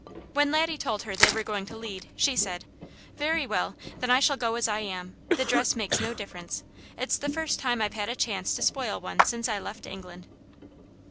When Laddie told her they were going to lead, she said: "Very well! Then I shall go as I am. The dress makes no difference. It's the first time I've had a chance to spoil one since I left England."